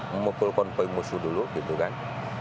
memukul konvoy musuh dulu gitu kan